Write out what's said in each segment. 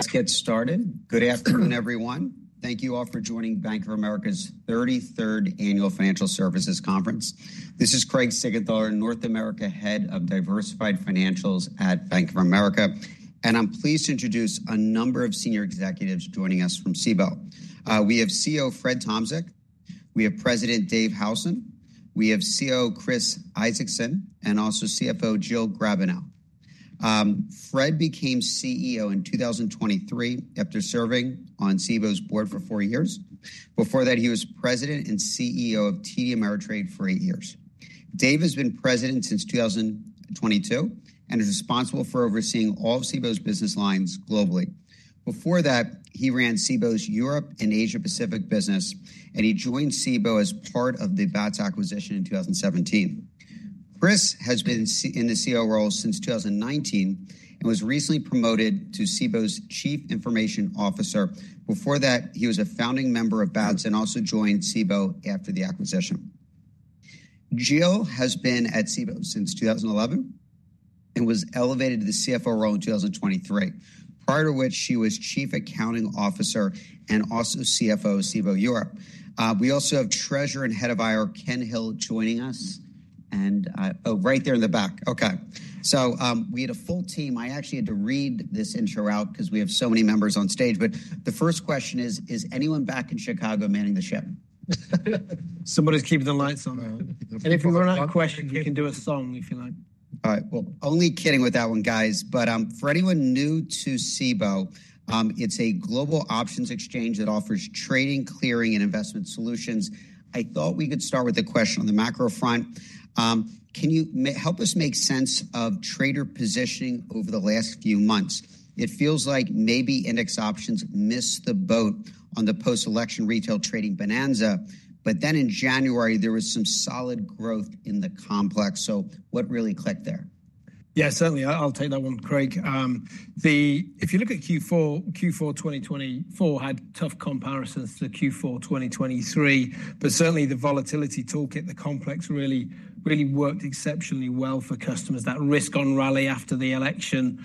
Let's get started. Good afternoon, everyone. Thank you all for joining Bank of America's 33rd Annual Financial Services Conference. This is Craig Siegenthaler, North America Head of Diversified Financials at Bank of America, and I'm pleased to introduce a number of senior executives joining us from Cboe. We have CEO Fred Tomczyk, we have President Dave Howson, we have COO Chris Isaacson, and also CFO Jill Griebenow. Fred became CEO in 2023 after serving on Cboe's board for four years. Before that, he was President and CEO of TD Ameritrade for eight years. Dave has been President since 2022 and is responsible for overseeing all of Cboe's business lines globally. Before that, he ran Cboe's Europe and Asia-Pacific business, and he joined Cboe as part of the Bats acquisition in 2017. Chris has been in the COO role since 2019 and was recently promoted to Cboe's Chief Information Officer. Before that, he was a founding member of Bats and also joined Cboe after the acquisition. Jill has been at Cboe since 2011 and was elevated to the CFO role in 2023, prior to which she was Chief Accounting Officer and also CFO of Cboe Europe. We also have Treasurer and Head of IR Ken Hill joining us, and oh, right there in the back. Okay, so we had a full team. I actually had to read this intro out because we have so many members on stage, but the first question is, is anyone back in Chicago manning the ship? Somebody's keeping the lights on, and if you want to question, you can do a song if you like. All right. Well, only kidding with that one, guys. But for anyone new to Cboe, it's a global options exchange that offers trading, clearing, and investment solutions. I thought we could start with a question on the macro front. Can you help us make sense of trader positioning over the last few months? It feels like maybe index options missed the boat on the post-election retail trading bonanza, but then in January, there was some solid growth in the complex. So what really clicked there? Yeah, certainly. I'll take that one, Craig. If you look at Q4, Q4 2024 had tough comparisons to Q4 2023, but certainly the volatility toolkit, the complex really, really worked exceptionally well for customers. That risk-on rally after the election,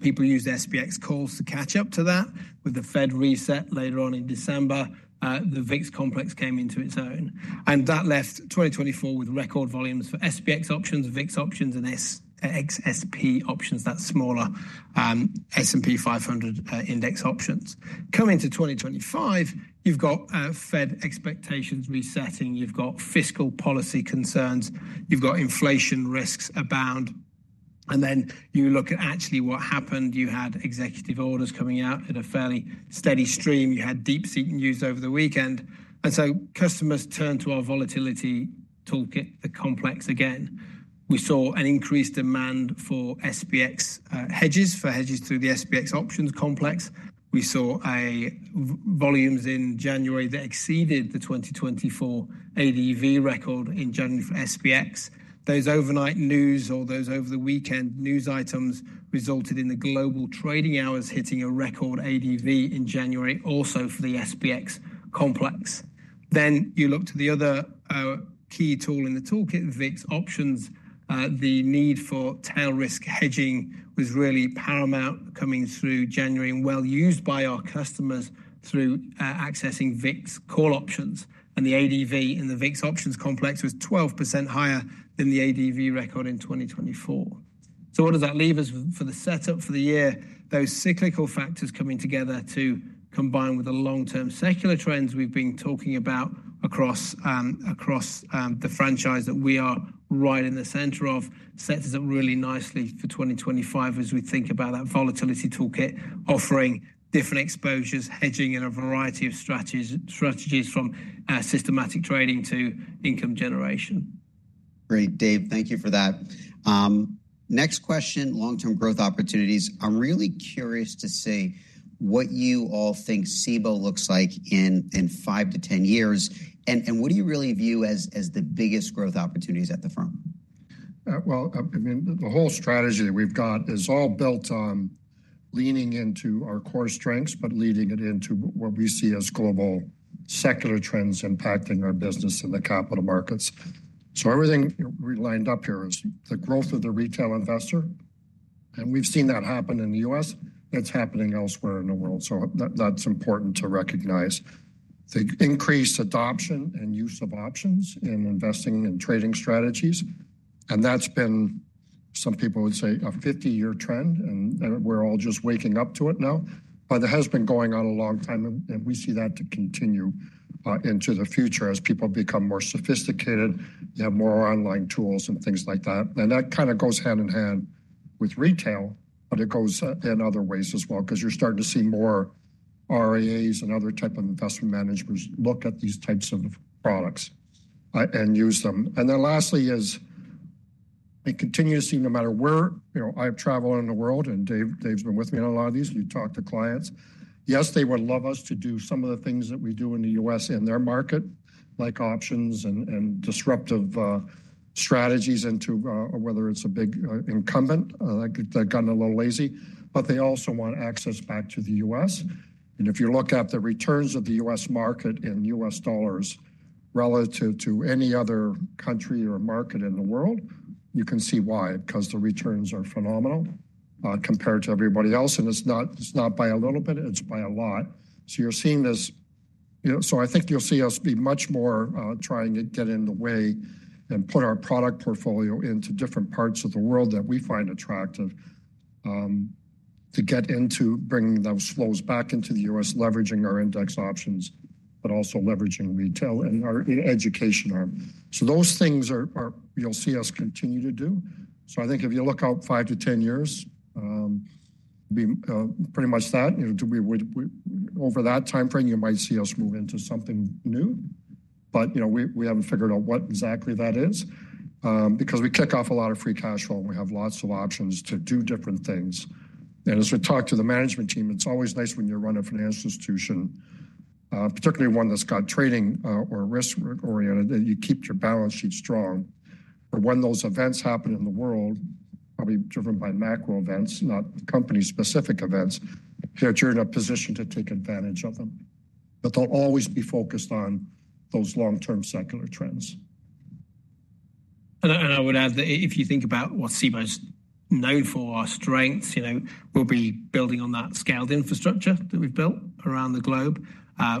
people used SPX calls to catch up to that. With the Fed reset later on in December, the VIX complex came into its own. And that left 2024 with record volumes for SPX options, VIX options, and XSP options, that smaller S&P 500 index options. Coming to 2025, you've got Fed expectations resetting, you've got fiscal policy concerns, you've got inflation risks abound. And then you look at actually what happened. You had executive orders coming out at a fairly steady stream. You had DeepSeek news over the weekend. And so customers turned to our volatility toolkit, the complex again. We saw an increased demand for SPX hedges, for hedges through the SPX options complex. We saw volumes in January that exceeded the 2024 ADV record in January for SPX. Those overnight news or those over the weekend news items resulted in the Global Trading Hours hitting a record ADV in January also for the SPX complex. Then you look to the other key tool in the toolkit, VIX options. The need for tail risk hedging was really paramount coming through January and well used by our customers through accessing VIX call options. And the ADV in the VIX options complex was 12% higher than the ADV record in 2024. So what does that leave us for the setup for the year? Those cyclical factors coming together to combine with the long-term secular trends we've been talking about across the franchise that we are right in the center of sets us up really nicely for 2025 as we think about that volatility toolkit, offering different exposures, hedging in a variety of strategies from systematic trading to income generation. Great, Dave, thank you for that. Next question, long-term growth opportunities. I'm really curious to see what you all think Cboe looks like in five to 10 years and what do you really view as the biggest growth opportunities at the firm? I mean, the whole strategy that we've got is all built on leaning into our core strengths, but leading it into what we see as global secular trends impacting our business in the capital markets. So everything we lined up here is the growth of the retail investor, and we've seen that happen in the U.S. That's happening elsewhere in the world. So that's important to recognize. The increased adoption and use of options in investing and trading strategies, and that's been, some people would say, a 50-year trend, and we're all just waking up to it now. But it has been going on a long time, and we see that to continue into the future as people become more sophisticated, they have more online tools and things like that. That kind of goes hand in hand with retail, but it goes in other ways as well because you're starting to see more RIAs and other types of investment managers look at these types of products and use them. Then lastly, I continue to see no matter where I have traveled in the world, and Dave's been with me on a lot of these, you talk to clients. Yes, they would love us to do some of the things that we do in the U.S. in their market, like options and disruptive strategies into whether it's a big incumbent, like the incumbent is a little lazy, but they also want access back to the U.S. And if you look at the returns of the U.S. market in U.S. dollars relative to any other country or market in the world, you can see why, because the returns are phenomenal compared to everybody else. And it's not by a little bit, it's by a lot. So you're seeing this. So I think you'll see us be much more trying to get in the way and put our product portfolio into different parts of the world that we find attractive to get into bringing those flows back into the U.S., leveraging our index options, but also leveraging retail and our education arm. So those things you'll see us continue to do. So I think if you look out five to 10 years, pretty much that, over that time frame, you might see us move into something new. But we haven't figured out what exactly that is because we kick off a lot of free cash flow and we have lots of options to do different things. And as we talk to the management team, it's always nice when you're running a financial institution, particularly one that's got trading or risk oriented, that you keep your balance sheet strong. But when those events happen in the world, probably driven by macro events, not company specific events, that you're in a position to take advantage of them. But they'll always be focused on those long-term secular trends. And I would add that if you think about what Cboe's known for, our strengths, we'll be building on that scaled infrastructure that we've built around the globe.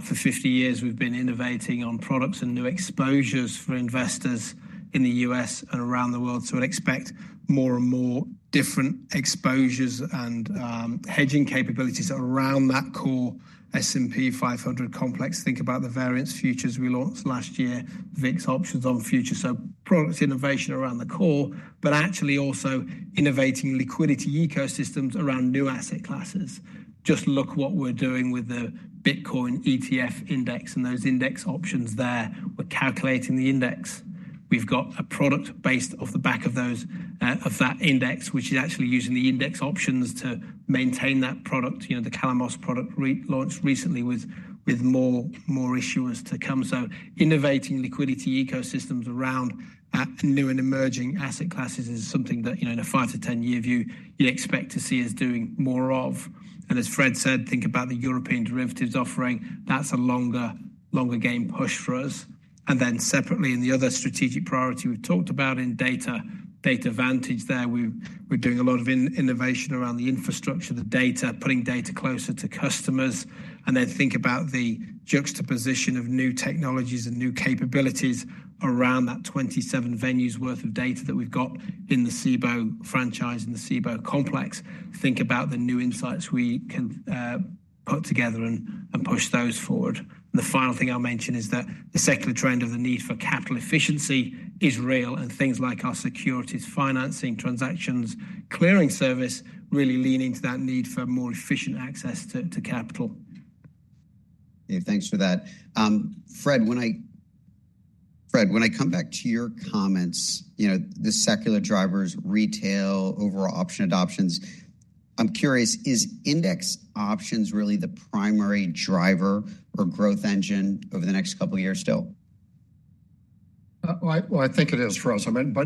For 50 years, we've been innovating on products and new exposures for investors in the U.S. and around the world. So we'd expect more and more different exposures and hedging capabilities around that core S&P 500 complex. Think about the variance futures we launched last year, VIX options on futures. So product innovation around the core, but actually also innovating liquidity ecosystems around new asset classes. Just look what we're doing with the Bitcoin ETF Index and those index options there. We're calculating the index. We've got a product based off the back of that index, which is actually using the index options to maintain that product. The Calamos product launched recently with more issuers to come. So innovating liquidity ecosystems around new and emerging asset classes is something that in a five-to-ten-year view, you'd expect to see us doing more of. And as Fred said, think about the European derivatives offering. That's a longer game push for us. And then separately, in the other strategic priority we've talked about in Data Vantage there, we're doing a lot of innovation around the infrastructure, the data, putting data closer to customers. And then think about the juxtaposition of new technologies and new capabilities around that 27 venues worth of data that we've got in the Cboe franchise, in the Cboe complex. Think about the new insights we can put together and push those forward. And the final thing I'll mention is that the secular trend of the need for capital efficiency is real and things like our securities, financing, transactions, clearing service really lean into that need for more efficient access to capital. Thanks for that. Fred, when I come back to your comments, the secular drivers, retail, overall option adoptions, I'm curious, is index options really the primary driver or growth engine over the next couple of years still? I think it is, but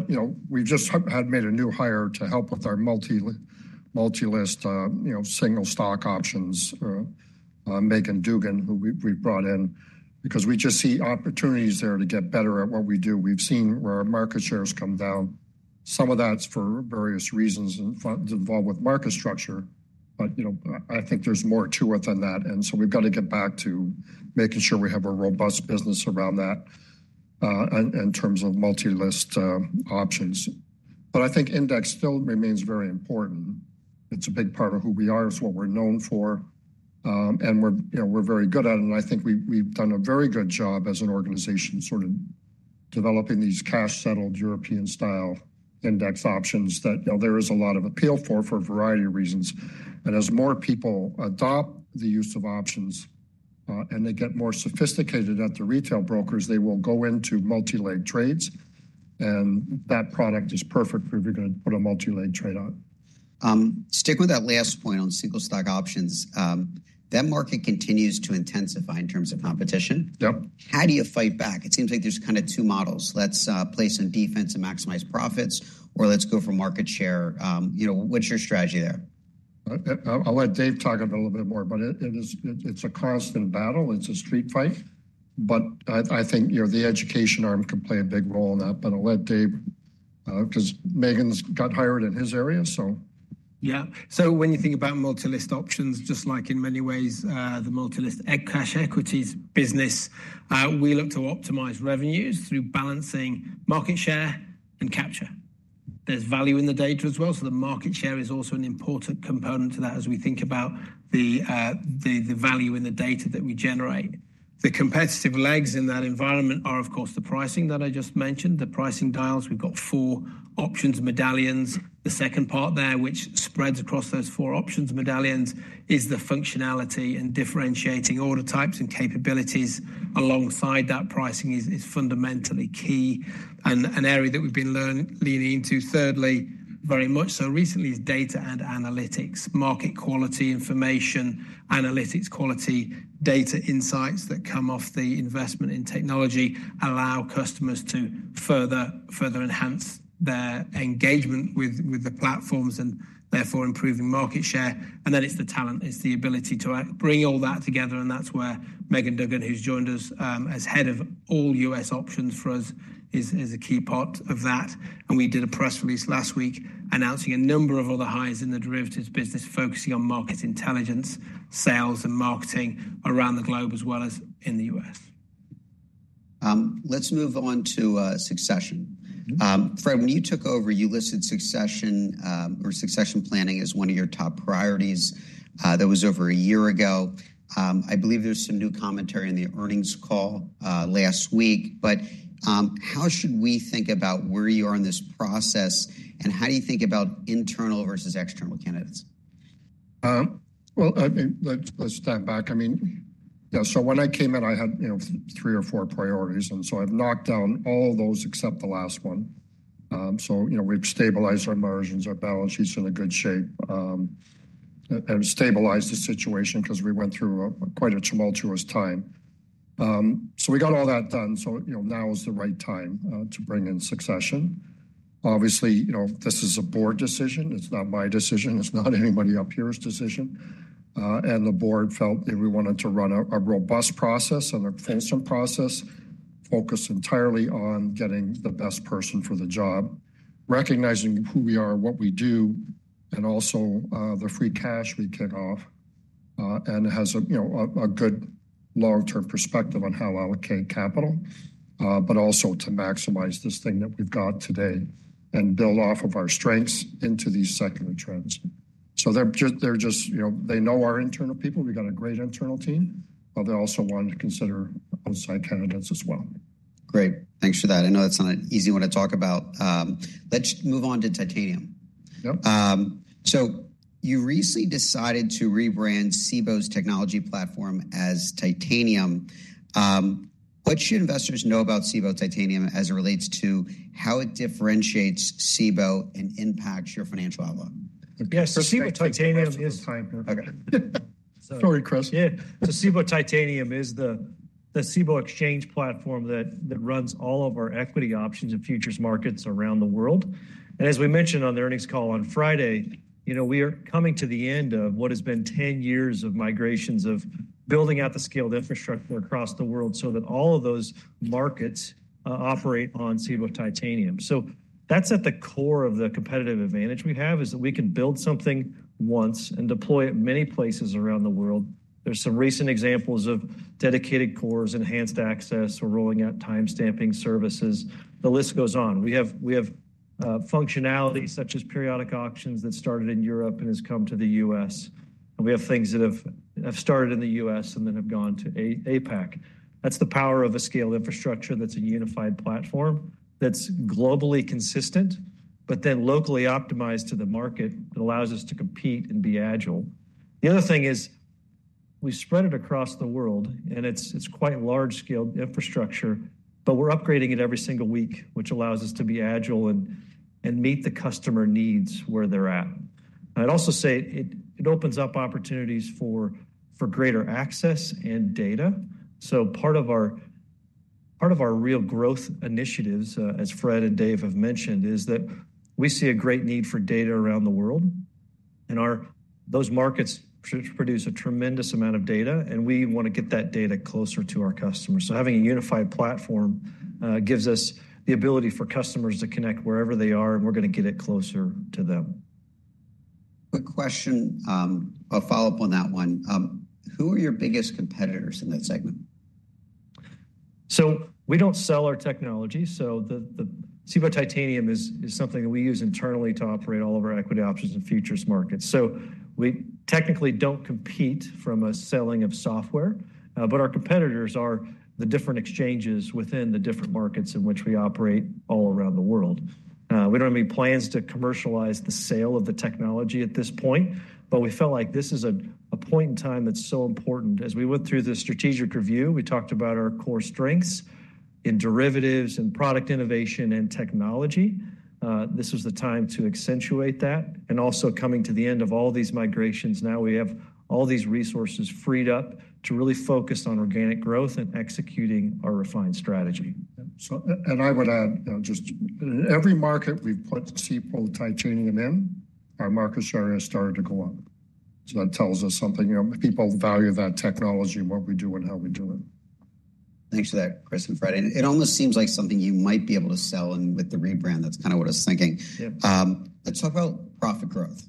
you know. But we just had made a new hire to help with our multilist, single stock options, Meaghan Dugan, who we brought in, because we just see opportunities there to get better at what we do. We've seen where our market shares come down. Some of that's for various reasons involved with market structure. But I think there's more to it than that. And so we've got to get back to making sure we have a robust business around that in terms of multilist options. But I think index still remains very important. It's a big part of who we are, it's what we're known for, and we're very good at it. And I think we've done a very good job as an organization sort of developing these cash-settled European-style index options that there is a lot of appeal for, for a variety of reasons. And as more people adopt the use of options and they get more sophisticated at the retail brokers, they will go into multi-leg trades and that product is perfect for if you're going to put a multi-leg trade on. Stick with that last point on single stock options. That market continues to intensify in terms of competition. How do you fight back? It seems like there's kind of two models. Let's play some defense and maximize profits or let's go for market share. What's your strategy there? I'll let Dave talk a little bit more, but it's a constant battle. It's a street fight. But I think the education arm can play a big role in that. But I'll let Dave because Meaghan's got hired in his area, so. Yeah. So when you think about multilist options, just like in many ways the multilist cash equities business, we look to optimize revenues through balancing market share and capture. There's value in the data as well. So the market share is also an important component to that as we think about the value in the data that we generate. The competitive legs in that environment are, of course, the pricing that I just mentioned, the pricing dials. We've got four options medallions. The second part there, which spreads across those four options medallions, is the functionality and differentiating order types and capabilities, alongside that pricing is fundamentally key. And an area that we've been leaning into thirdly very much so recently is data and analytics. Market quality information, analytics, quality data insights that come off the investment in technology allow customers to further enhance their engagement with the platforms and therefore improving market share. And then it's the talent, it's the ability to bring all that together. And that's where Meaghan Dugan, who's joined us as Head of all U.S. options for us, is a key part of that. And we did a press release last week announcing a number of other hires in the derivatives business focusing on market intelligence, sales, and marketing around the globe as well as in the U.S. Let's move on to succession. Fred, when you took over, you listed succession or succession planning as one of your top priorities. That was over a year ago. I believe there's some new commentary in the earnings call last week. But how should we think about where you are in this process and how do you think about internal versus external candidates? Well, let's step back. I mean, so when I came in, I had three or four priorities. And so I've knocked down all those except the last one. So we've stabilized our margins, our balance sheets in a good shape, and stabilized the situation because we went through quite a tumultuous time. So we got all that done. So now is the right time to bring in succession. Obviously, this is a board decision. It's not my decision. It's not anybody up here's decision. The board felt that we wanted to run a robust process and a fulsome process focused entirely on getting the best person for the job, recognizing who we are, what we do, and also the free cash we kick off and has a good long-term perspective on how to allocate capital, but also to maximize this thing that we've got today and build off of our strengths into these secular trends. They're just, they know our internal people. We've got a great internal team, but they also want to consider outside candidates as well. Great. Thanks for that. I know that's not an easy one to talk about. Let's move on to Titanium. So you recently decided to rebrand Cboe's technology platform as Titanium. What should investors know about Cboe Titanium as it relates to how it differentiates Cboe and impacts your financial outlook? Yeah, so Cboe Titanium is the time. Sorry, Chris. Yeah. So Cboe Titanium is the Cboe exchange platform that runs all of our equity options and futures markets around the world. And as we mentioned on the earnings call on Friday, we are coming to the end of what has been 10 years of migrations of building out the scaled infrastructure across the world so that all of those markets operate on Cboe Titanium. So that's at the core of the competitive advantage we have is that we can build something once and deploy it many places around the world. There's some recent examples of dedicated cores, enhanced access, or rolling out timestamping services. The list goes on. We have functionality such as periodic auctions that started in Europe and has come to the U.S. And we have things that have started in the U.S. and then have gone to APAC. That's the power of a scaled infrastructure that's a unified platform that's globally consistent, but then locally optimized to the market that allows us to compete and be agile. The other thing is we spread it across the world and it's quite large scaled infrastructure, but we're upgrading it every single week, which allows us to be agile and meet the customer needs where they're at. I'd also say it opens up opportunities for greater access and data. So part of our real growth initiatives, as Fred and Dave have mentioned, is that we see a great need for data around the world. And those markets produce a tremendous amount of data, and we want to get that data closer to our customers. So having a unified platform gives us the ability for customers to connect wherever they are, and we're going to get it closer to them. Quick question, a follow-up on that one. Who are your biggest competitors in that segment? We don't sell our technology. Cboe Titanium is something that we use internally to operate all of our equity options and futures markets. We technically don't compete from a selling of software, but our competitors are the different exchanges within the different markets in which we operate all around the world. We don't have any plans to commercialize the sale of the technology at this point, but we felt like this is a point in time that's so important. As we went through the strategic review, we talked about our core strengths in derivatives and product innovation and technology. This was the time to accentuate that. Also coming to the end of all these migrations, now we have all these resources freed up to really focus on organic growth and executing our refined strategy. And I would add just every market we've put Cboe Titanium in, our market share has started to go up. So that tells us something. People value that technology, what we do and how we do it. Thanks for that, Chris and Fred. It almost seems like something you might be able to sell with the rebrand. That's kind of what I was thinking. Let's talk about profit growth.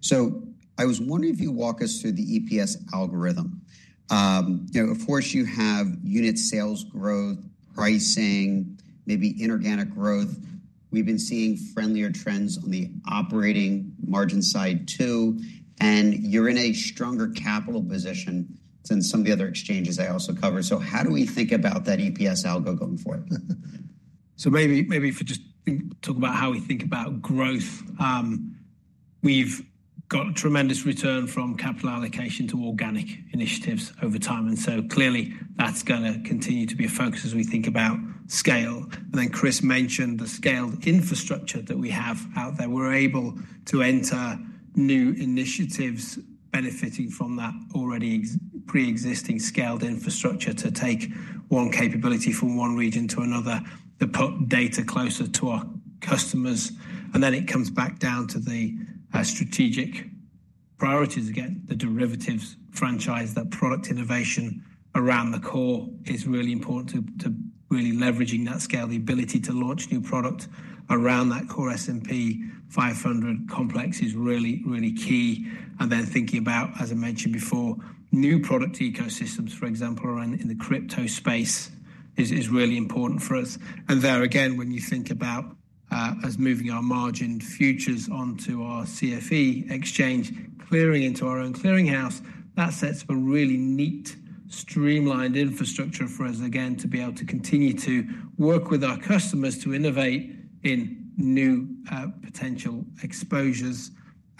So I was wondering if you walk us through the EPS algorithm. Of course, you have unit sales growth, pricing, maybe inorganic growth. We've been seeing friendlier trends on the operating margin side too. And you're in a stronger capital position than some of the other exchanges I also covered. So how do we think about that EPS algo going forward? So maybe if we just talk about how we think about growth. We've got a tremendous return from capital allocation to organic initiatives over time, and so clearly that's going to continue to be a focus as we think about scale, and then Chris mentioned the scaled infrastructure that we have out there. We're able to enter new initiatives benefiting from that already pre-existing scaled infrastructure to take one capability from one region to another that put data closer to our customers, and then it comes back down to the strategic priorities again, the derivatives franchise, that product innovation around the core is really important to really leveraging that scale, the ability to launch new product around that core S&P 500 complex is really, really key, and then thinking about, as I mentioned before, new product ecosystems, for example, in the crypto space is really important for us. And there again, when you think about us moving our margin futures onto our CFE exchange, clearing into our own clearing house, that sets up a really neat, streamlined infrastructure for us again to be able to continue to work with our customers to innovate in new potential exposures.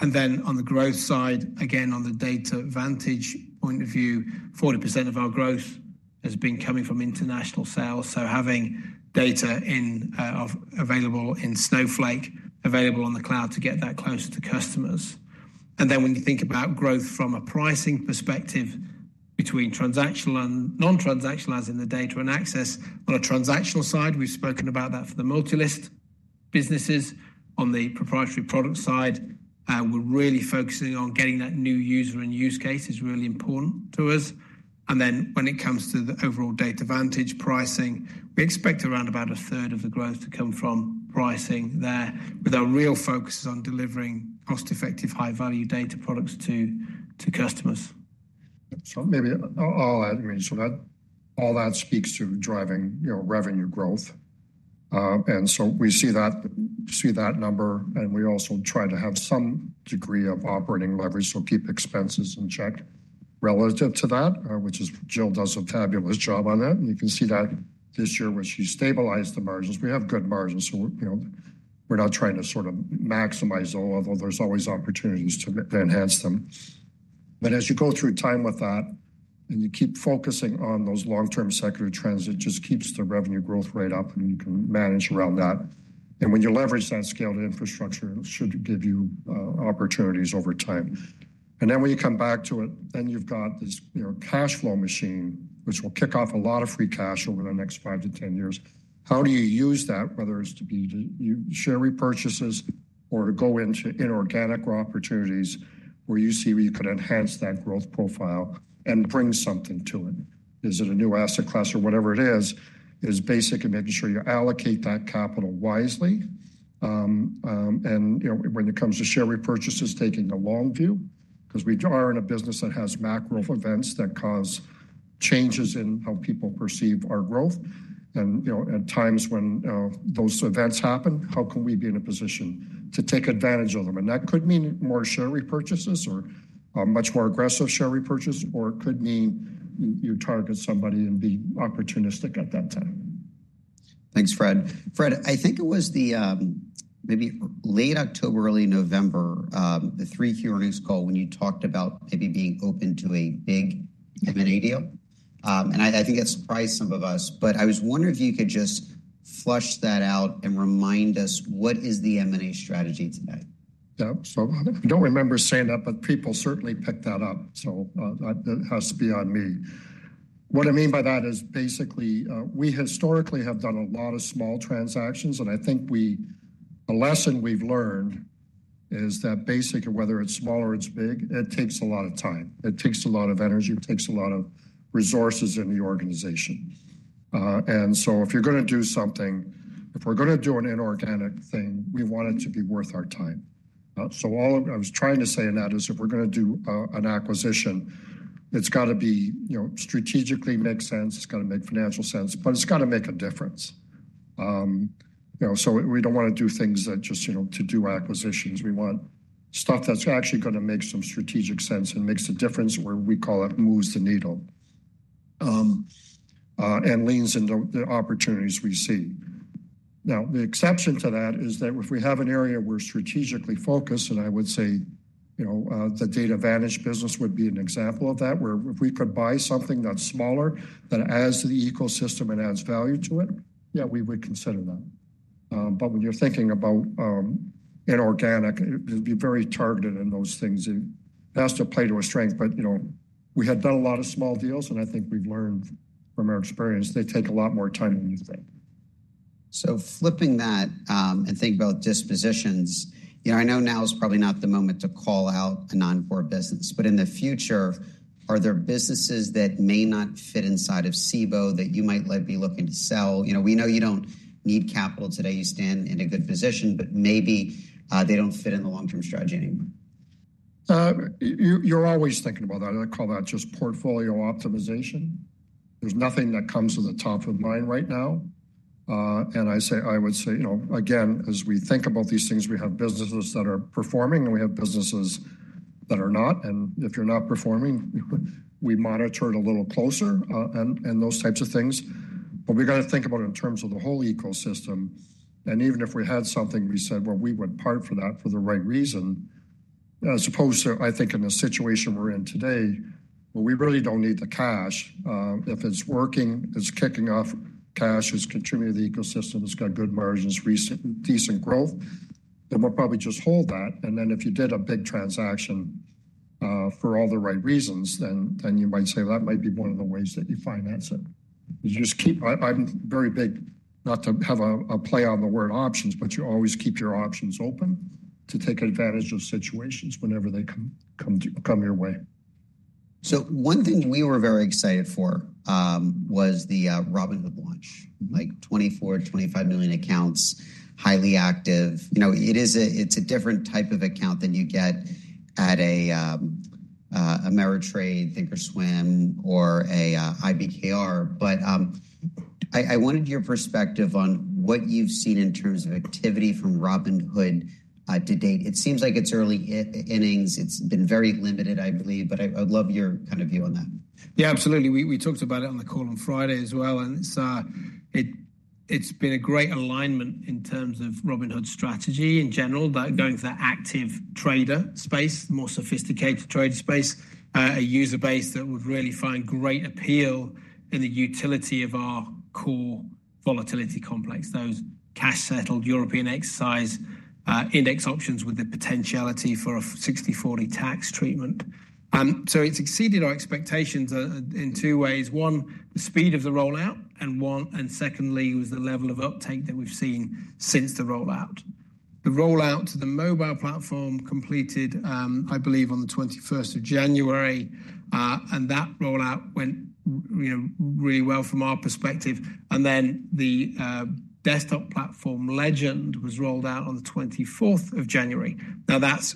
And then on the growth side, again, on the Data Vantage point of view, 40% of our growth has been coming from international sales. So having data available in Snowflake, available on the cloud to get that closer to customers. And then when you think about growth from a pricing perspective between transactional and non-transactional as in the data and access on a transactional side, we've spoken about that for the multilist businesses. On the proprietary product side, we're really focusing on getting that new user and use case is really important to us. When it comes to the overall Data Vantage pricing, we expect around about a third of the growth to come from pricing there with our real focus on delivering cost-effective, high-value data products to customers. So maybe I'll add, I mean, so that all that speaks to driving revenue growth. And so we see that number and we also try to have some degree of operating leverage to keep expenses in check relative to that, which is Jill does a fabulous job on that. And you can see that this year when she stabilized the margins, we have good margins. So we're not trying to sort of maximize them, although there's always opportunities to enhance them. But as you go through time with that and you keep focusing on those long-term secular trends, it just keeps the revenue growth rate up and you can manage around that. And when you leverage that scaled infrastructure, it should give you opportunities over time. And then when you come back to it, then you've got this cash flow machine, which will kick off a lot of free cash over the next five to 10 years. How do you use that, whether it's to be share repurchases or to go into inorganic opportunities where you see where you could enhance that growth profile and bring something to it? Is it a new asset class or whatever it is, is basic and making sure you allocate that capital wisely. And when it comes to share repurchases, taking a long view because we are in a business that has macro events that cause changes in how people perceive our growth. And at times when those events happen, how can we be in a position to take advantage of them? That could mean more share repurchases or much more aggressive share repurchases, or it could mean you target somebody and be opportunistic at that time. Thanks, Fred. Fred, I think it was maybe late October, early November, the 3Q earnings call when you talked about maybe being open to a big M&A deal. And I think that surprised some of us, but I was wondering if you could just flesh that out and remind us what is the M&A strategy today? Yeah, so I don't remember saying that, but people certainly picked that up. So that has to be on me. What I mean by that is basically we historically have done a lot of small transactions. And I think the lesson we've learned is that basically, whether it's small or it's big, it takes a lot of time. It takes a lot of energy. It takes a lot of resources in the organization. And so if you're going to do something, if we're going to do an inorganic thing, we want it to be worth our time. So all I was trying to say in that is if we're going to do an acquisition, it's got to be strategically make sense. It's got to make financial sense, but it's got to make a difference. So we don't want to do things that just to do acquisitions. We want stuff that's actually going to make some strategic sense and makes a difference where we call it moves the needle and leans into the opportunities we see. Now, the exception to that is that if we have an area we're strategically focused, and I would say the Data Vantage business would be an example of that, where if we could buy something that's smaller that adds to the ecosystem and adds value to it, yeah, we would consider that. But when you're thinking about inorganic, it'd be very targeted in those things. It has to play to a strength, but we had done a lot of small deals, and I think we've learned from our experience they take a lot more time than you think. So flipping that and thinking about dispositions, I know now is probably not the moment to call out a non-core business, but in the future, are there businesses that may not fit inside of Cboe that you might be looking to sell? We know you don't need capital today. You stand in a good position, but maybe they don't fit in the long-term strategy anymore. You're always thinking about that. I call that just portfolio optimization. There's nothing that comes to the top of mind right now. And I would say, again, as we think about these things, we have businesses that are performing and we have businesses that are not. And if you're not performing, we monitor it a little closer and those types of things. But we got to think about it in terms of the whole ecosystem. And even if we had something, we said, well, we would part for that for the right reason. I suppose I think in the situation we're in today, well, we really don't need the cash. If it's working, it's kicking off cash, it's contributing to the ecosystem, it's got good margins, recent decent growth, then we'll probably just hold that. And then if you did a big transaction for all the right reasons, then you might say that might be one of the ways that you finance it. I'm very big not to have a play on the word options, but you always keep your options open to take advantage of situations whenever they come your way. One thing we were very excited for was the Robinhood launch, like 24 million-25 million accounts, highly active. It's a different type of account than you get at a Ameritrade, Thinkorswim, or an IBKR. But I wanted your perspective on what you've seen in terms of activity from Robinhood to date. It seems like it's early innings. It's been very limited, I believe, but I would love your kind of view on that. Yeah, absolutely. We talked about it on the call on Friday as well, and it's been a great alignment in terms of Robinhood strategy in general, going for the active trader space, more sophisticated trader space, a user base that would really find great appeal in the utility of our core volatility complex, those cash-settled European exercise index options with the potentiality for a 60/40 tax treatment, so it's exceeded our expectations in two ways. One, the speed of the rollout, and secondly, it was the level of uptake that we've seen since the rollout. The rollout to the mobile platform completed, I believe, on the 21st of January, and that rollout went really well from our perspective, and then the desktop platform Legend was rolled out on the 24th of January. Now, that's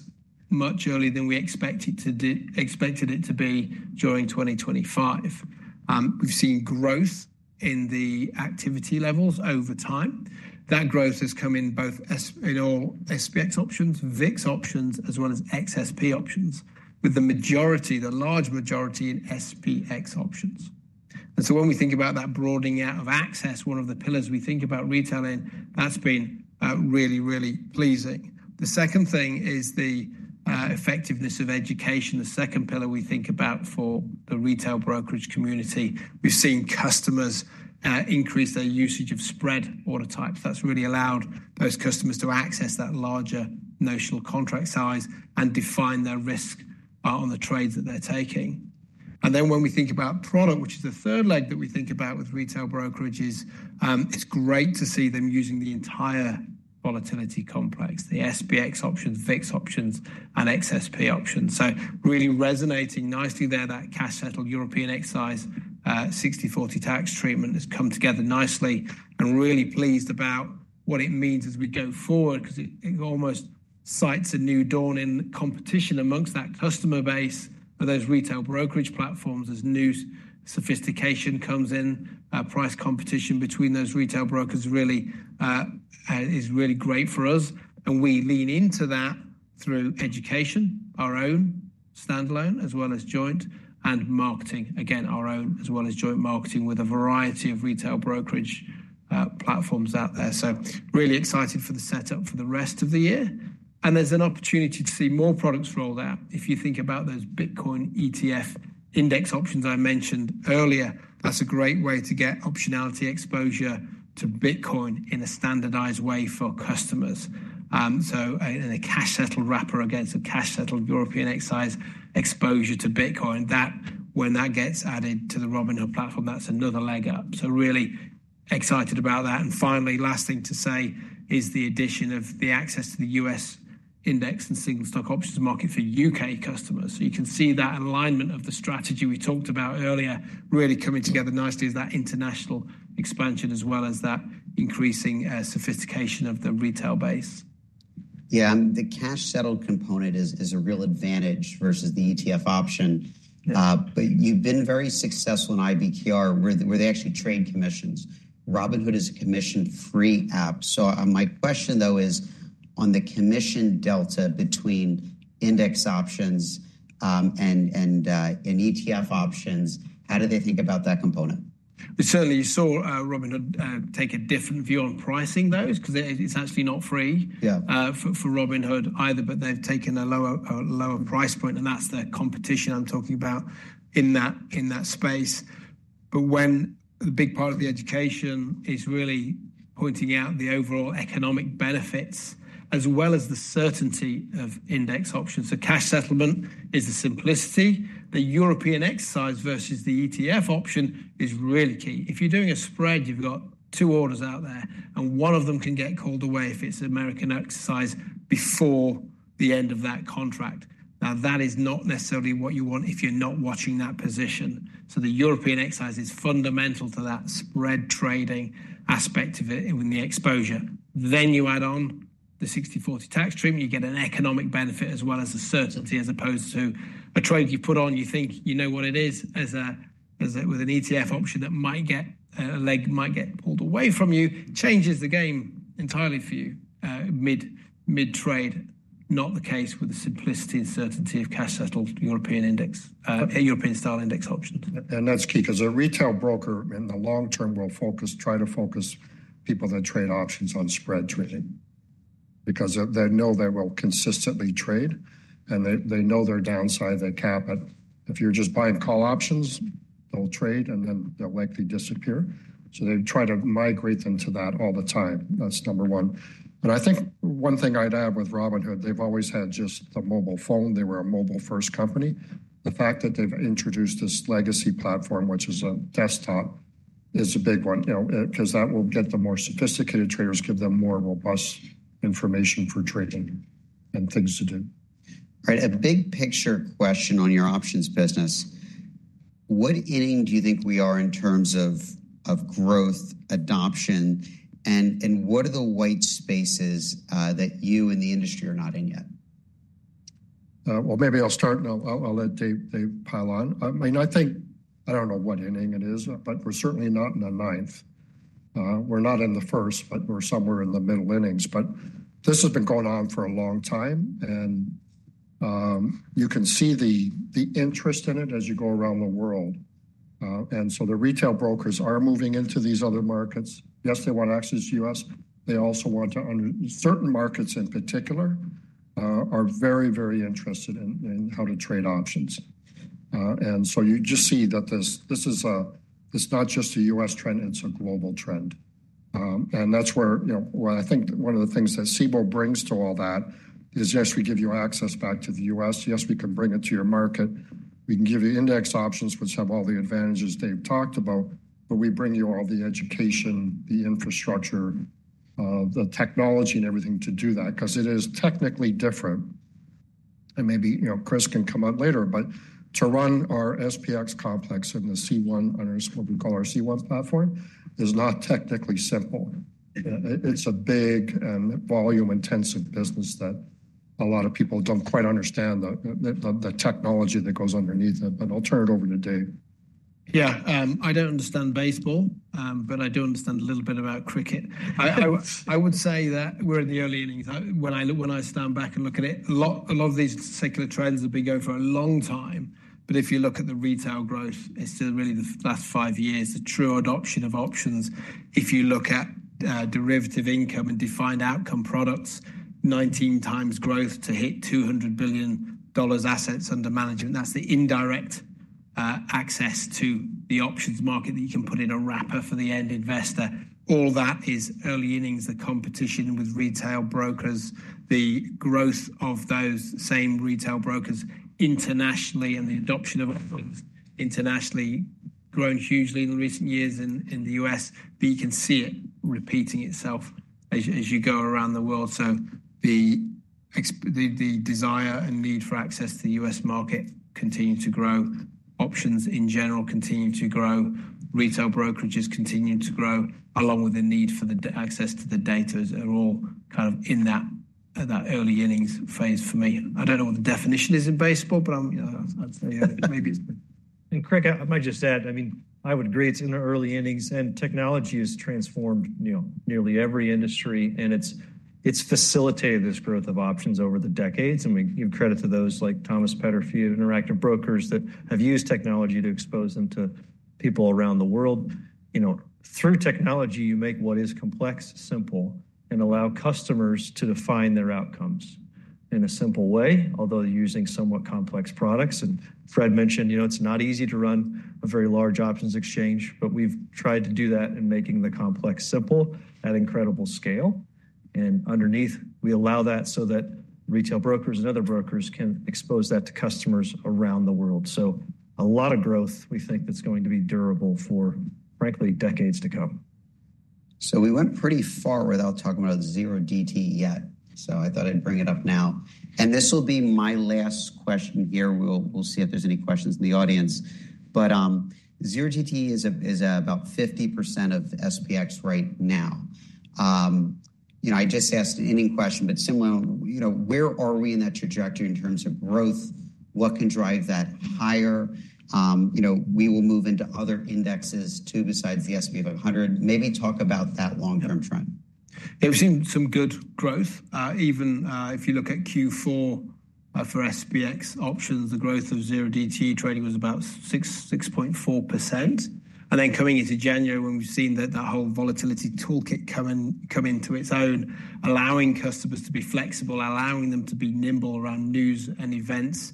much earlier than we expected it to be during 2025. We've seen growth in the activity levels over time. That growth has come in both in all SPX options, VIX options, as well as XSP options, with the majority, the large majority in SPX options. And so when we think about that broadening out of access, one of the pillars we think about retail, that's been really, really pleasing. The second thing is the effectiveness of education. The second pillar we think about for the retail brokerage community, we've seen customers increase their usage of spread order types. That's really allowed those customers to access that larger notional contract size and define their risk on the trades that they're taking. And then when we think about product, which is the third leg that we think about with retail brokerages, it's great to see them using the entire volatility complex, the SPX options, VIX options, and XSP options. So really resonating nicely there, that cash-settled European exercise 60/40 tax treatment has come together nicely. And we're really pleased about what it means as we go forward because it almost ushers a new dawn in competition among that customer base of those retail brokerage platforms as new sophistication comes in. Price competition between those retail brokers is really great for us. And we lean into that through education, our own standalone, as well as joint and marketing, again, our own as well as joint marketing with a variety of retail brokerage platforms out there. So really excited for the setup for the rest of the year. And there's an opportunity to see more products rolled out. If you think about those Bitcoin ETF Index Options I mentioned earlier, that's a great way to get optionality exposure to Bitcoin in a standardized way for customers. So in a cash-settled wrapper against a cash-settled European exercise exposure to Bitcoin, when that gets added to the Robinhood platform, that's another leg up. So really excited about that. And finally, last thing to say is the addition of the access to the U.S. index and single stock options market for U.K. customers. So you can see that alignment of the strategy we talked about earlier really coming together nicely as that international expansion as well as that increasing sophistication of the retail base. Yeah, the cash-settled component is a real advantage versus the ETF option. But you've been very successful in IBKR where they actually trade commissions. Robinhood is a commission-free app. So my question, though, is on the commission delta between index options and ETF options, how do they think about that component? Certainly, you saw Robinhood take a different view on pricing, though, because it's actually not free for Robinhood either, but they've taken a lower price point, and that's the competition I'm talking about in that space. But when the big part of the education is really pointing out the overall economic benefits as well as the certainty of index options. So cash settlement is the simplicity. The European exercise versus the ETF option is really key. If you're doing a spread, you've got two orders out there, and one of them can get called away if it's an American exercise before the end of that contract. Now, that is not necessarily what you want if you're not watching that position. So the European exercise is fundamental to that spread trading aspect of it in the exposure. Then, you add on the 60/40 tax treatment. You get an economic benefit as well as a certainty as opposed to a trade you put on. You think you know what it is with an ETF option that might get a leg, might get pulled away from you, changes the game entirely for you mid-trade. Not the case with the simplicity and certainty of cash-settled European-style index options. That's key because a retail broker in the long term will try to focus people that trade options on spread trading because they know they will consistently trade and they know their downside, their cap. If you're just buying call options, they'll trade and then they'll likely disappear. So they try to migrate them to that all the time. That's number one. But I think one thing I'd add with Robinhood, they've always had just the mobile phone. They were a mobile-first company. The fact that they've introduced this Legend platform, which is a desktop, is a big one because that will get the more sophisticated traders, give them more robust information for trading and things to do. All right, a big picture question on your options business. What inning do you think we are in terms of growth, adoption, and what are the white spaces that you in the industry are not in yet? Maybe I'll start and I'll let Dave pile on. I mean, I think I don't know what inning it is, but we're certainly not in the ninth. We're not in the first, but we're somewhere in the middle innings. But this has been going on for a long time, and you can see the interest in it as you go around the world. And so the retail brokers are moving into these other markets. Yes, they want access to the U.S. They also want to. Certain markets in particular are very, very interested in how to trade options. And so you just see that this is not just a U.S. trend; it's a global trend. And that's where I think one of the things that Cboe brings to all that is, yes, we give you access back to the U.S. Yes, we can bring it to your market. We can give you index options, which have all the advantages they've talked about, but we bring you all the education, the infrastructure, the technology, and everything to do that because it is technically different. And maybe Chris can come out later, but to run our SPX complex in the C1, what we call our C1 platform, is not technically simple. It's a big and volume-intensive business that a lot of people don't quite understand the technology that goes underneath it. But I'll turn it over to Dave. Yeah, I don't understand baseball, but I do understand a little bit about cricket. I would say that we're in the early innings. When I stand back and look at it, a lot of these secular trends have been going for a long time. But if you look at the retail growth, it's still really the last five years, the true adoption of options. If you look at derivative income and defined outcome products, 19x growth to hit $200 billion assets under management. That's the indirect access to the options market that you can put in a wrapper for the end investor. All that is early innings, the competition with retail brokers, the growth of those same retail brokers internationally, and the adoption of it internationally has grown hugely in the recent years in the US. But you can see it repeating itself as you go around the world. So the desire and need for access to the U.S. market continues to grow. Options in general continue to grow. Retail brokerages continue to grow along with the need for the access to the data are all kind of in that early innings phase for me. I don't know what the definition is in baseball, but I'll tell you maybe it's good. Craig, I might just add, I mean, I would agree it's in the early innings, and technology has transformed nearly every industry, and it's facilitated this growth of options over the decades. We give credit to those like Thomas Peterffy, Interactive Brokers, that have used technology to expose them to people around the world. Through technology, you make what is complex simple and allow customers to define their outcomes in a simple way, although using somewhat complex products. Fred mentioned it's not easy to run a very large options exchange, but we've tried to do that in making the complex simple at incredible scale. Underneath, we allow that so that retail brokers and other brokers can expose that to customers around the world. A lot of growth we think that's going to be durable for, frankly, decades to come. We went pretty far without talking about 0DTE yet. I thought I'd bring it up now. And this will be my last question here. We'll see if there's any questions in the audience. But 0DTE is about 50% of SPX right now. I just asked an opening question, but similar, where are we in that trajectory in terms of growth? What can drive that higher? We will move into other indexes too besides the S&P 500. Maybe talk about that long-term trend. There's been some good growth. Even if you look at Q4 for SPX options, the growth of 0DTE trading was about 6.4%. And then coming into January, when we've seen that whole volatility toolkit come into its own, allowing customers to be flexible, allowing them to be nimble around news and events,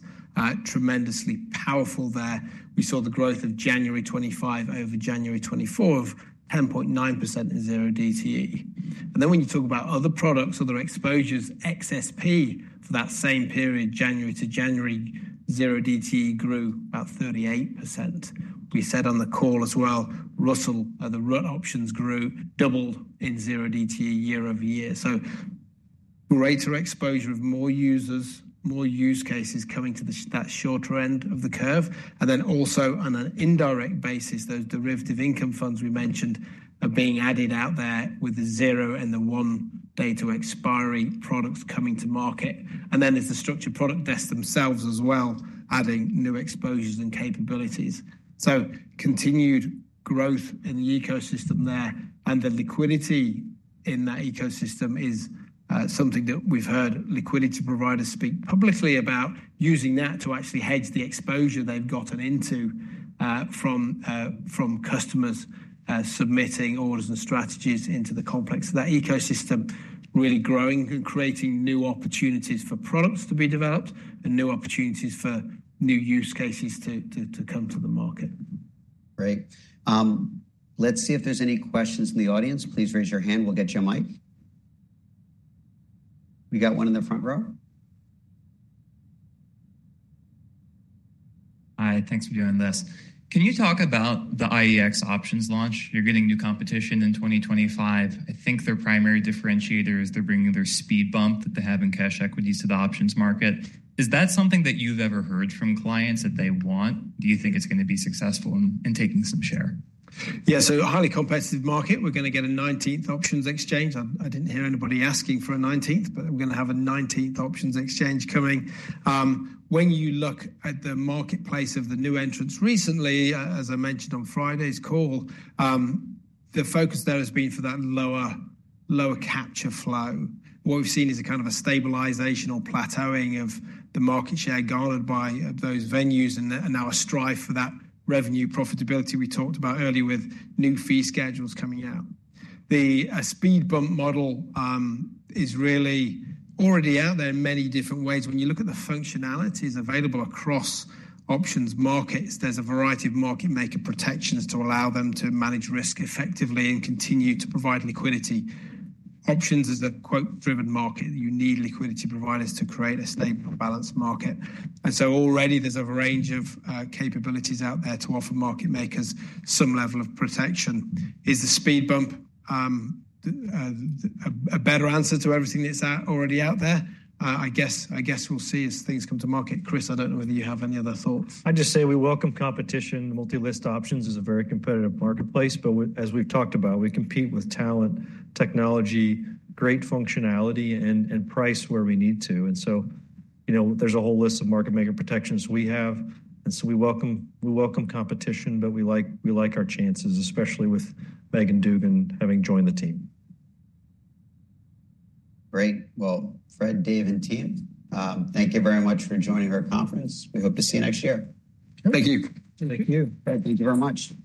tremendously powerful there. We saw the growth of January 2025 over January 2024 of 10.9% in 0DTE. And then when you talk about other products, other exposures, XSP for that same period, January to January, 0DTE grew about 38%. We said on the call as well, Russell 2000 options grew double in 0DTE year over year. So greater exposure of more users, more use cases coming to that shorter end of the curve. And then also on an indirect basis, those derivative income funds we mentioned are being added out there with the zero and the one date of expiry products coming to market. And then there's the structured product desk themselves as well, adding new exposures and capabilities. So continued growth in the ecosystem there. And the liquidity in that ecosystem is something that we've heard liquidity providers speak publicly about, using that to actually hedge the exposure they've gotten into from customers submitting orders and strategies into the complex. That ecosystem really growing and creating new opportunities for products to be developed and new opportunities for new use cases to come to the market. Great. Let's see if there's any questions in the audience. Please raise your hand. We'll get you a mic. We got one in the front row. Hi, thanks for doing this. Can you talk about the IEX options launch? You're getting new competition in 2025. I think their primary differentiator is they're bringing their speed bump that they have in cash equities to the options market. Is that something that you've ever heard from clients that they want? Do you think it's going to be successful in taking some share? Yeah, so a highly competitive market. We're going to get a 19th options exchange. I didn't hear anybody asking for a 19th, but we're going to have a 19th options exchange coming. When you look at the marketplace of the new entrants recently, as I mentioned on Friday's call, the focus there has been for that lower capture flow. What we've seen is a kind of a stabilization or plateauing of the market share guarded by those venues and now a strive for that revenue profitability we talked about earlier with new fee schedules coming out. The speed bump model is really already out there in many different ways. When you look at the functionalities available across options markets, there's a variety of market maker protections to allow them to manage risk effectively and continue to provide liquidity. Options is a quote-driven market. You need liquidity providers to create a stable balanced market. And so already there's a range of capabilities out there to offer market makers some level of protection. Is the speed bump a better answer to everything that's already out there? I guess we'll see as things come to market. Chris, I don't know whether you have any other thoughts. I'd just say we welcome competition. Multilist options is a very competitive marketplace, but as we've talked about, we compete with talent, technology, great functionality, and price where we need to. And so there's a whole list of market maker protections we have. And so we welcome competition, but we like our chances, especially with Meaghan Dugan having joined the team. Great. Well, Fred, Dave, and team, thank you very much for joining our conference. We hope to see you next year. Thank you. Thank you. Thank you very much.